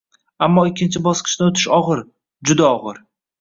Ammo ikkinchi bosqichdan o’tishi og’ir, juda og’ir.